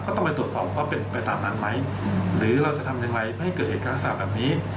ต้องไปตรวจสอบว่าเป็นไปตามนั้นไหมหรือเราจะทำอย่างไรไม่ให้เกิดเหตุการณ์ลักษณะแบบนี้